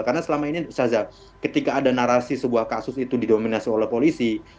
karena selama ini sahajah ketika ada narasi sebuah kasus itu didominasi oleh polisi